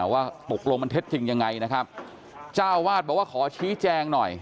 ว่าตกลงมันเท็จจริงยังไงนะครับเจ้าวาดบอกว่าขอชี้แจงหน่อย